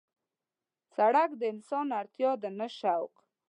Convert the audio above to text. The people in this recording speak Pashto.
سړک د انسان اړتیا ده نه شوق.